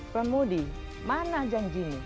pemudi mana janjimu